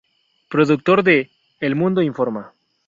Productor de "El mundo informa".